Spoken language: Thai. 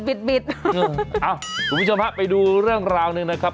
เอ้าสวัสดีคุณผู้ชมฮะไปดูเรื่องราวหนึ่งนะครับ